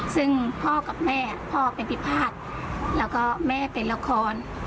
ซึ่งพ่อกับแม่พ่อเป็นพิพาทแล้วก็แม่เป็นละคร